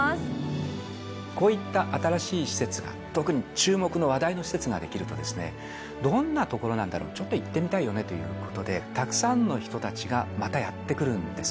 こういった新しい施設が特に注目の話題の施設ができると、どんな所なんだろう、ちょっと行ってみたいよねということで、たくさんの人たちがまたやって来るんです。